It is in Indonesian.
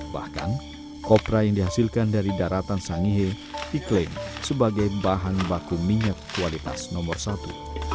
bahkan kopra yang dihasilkan dari daratan sangihil diklaim sebagai bahan baku minyak kualitas nomor satu